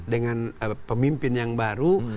dengan pemimpin yang baru